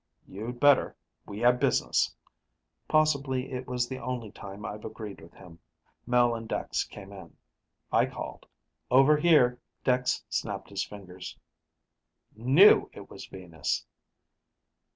"You'd better we have business." Possibly it was the only time I've agreed with him. Mel and Dex came in. I called, "Over here!" Dex snapped his fingers. "Knew it was Venus."